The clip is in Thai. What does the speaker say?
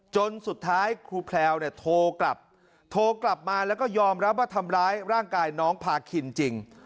จนสุดท้ายครูแพลวเนี่ยโทรกลับโทรกลับมาแล้วก็ยอมรับว่าทำร้ายร่างกายน้องพาคินจริง